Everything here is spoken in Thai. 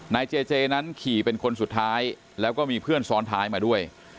นายเจเจนั้นขี่เป็นคนสุดท้ายแล้วก็มีเพื่อนซ้อนท้ายมาด้วย